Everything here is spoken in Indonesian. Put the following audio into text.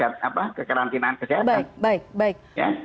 baik baik baik